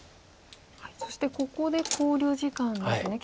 そしてここで考慮時間ですね。